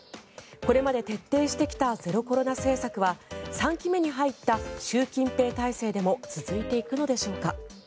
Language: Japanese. これまで徹底してきたゼロコロナ政策は３期目に入った習近平体制でも続いていくのでしょうか。